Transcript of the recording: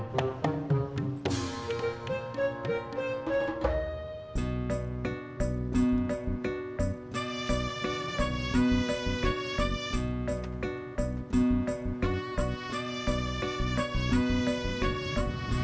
sody kita mau ke rumah